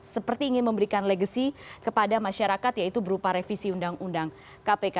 seperti ingin memberikan legacy kepada masyarakat yaitu berupa revisi undang undang kpk